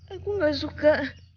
aku gak suka